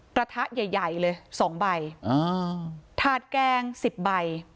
กระทะใหญ่ใหญ่เลยสองใบอ่าถาดแกงสิบใบ